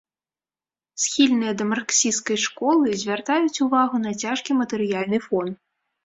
Схільныя да марксісцкай школы звяртаюць увагу на цяжкі матэрыяльны фон.